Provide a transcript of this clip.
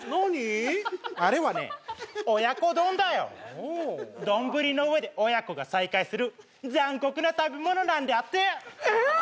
あれはね親子丼だよ丼の上で親子が再会する残酷な食べ物なんだってえ！？